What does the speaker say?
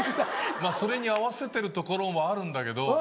まぁそれに合わせてるところもあるんだけど。